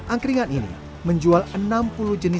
angkringan ini menjual enam puluh juta rupiah